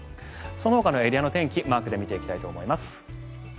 そのほかのエリアの天気マークで見ていきたいと思います。